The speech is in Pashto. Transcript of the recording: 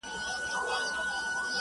له عرب تر چین ماچینه مي دېرې دي-